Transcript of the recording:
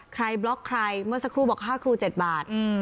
บล็อกใครเมื่อสักครู่บอกค่าครู๗บาท